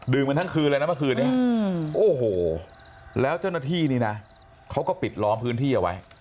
กันทั้งคืนเลยนะเมื่อคืนนี้โอ้โหแล้วเจ้าหน้าที่นี่นะเขาก็ปิดล้อมพื้นที่เอาไว้